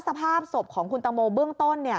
สภาพศพของคุณตังโมเบื้องต้น